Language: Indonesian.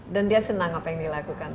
dan dia senang apa yang dilakukan